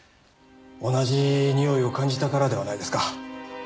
同じにおいを感じたからではないですか？